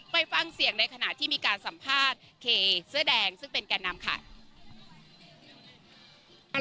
ไปฟังเสียงในขณะที่มีการสัมภาษณ์เคเสื้อแดงซึ่งเป็นแก่นำค่ะ